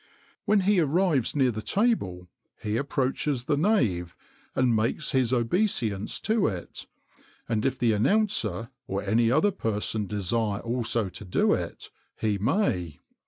When he arrives near the table, he approaches the nave, and makes his obeisance to it; and if the announcer, or any other person desire also to do it, he may.